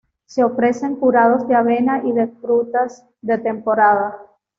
Se ofrecen curados de avena y de frutas de temporada.